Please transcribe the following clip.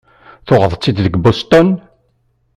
Tuɣeḍ-tt-id deg Boston?